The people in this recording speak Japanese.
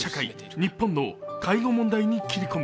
日本の介護問題に切り込む。